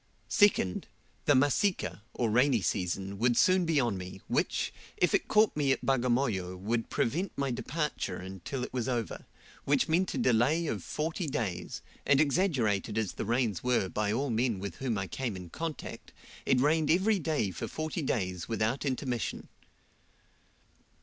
Second, the Masika, or rainy season, would soon be on me, which, if it caught me at Bagamoyo, would prevent my departure until it was over, which meant a delay of forty days, and exaggerated as the rains were by all men with whom I came in contact, it rained every day for forty days without intermission.